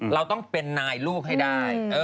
เราต้องเป็นนายลูกให้ได้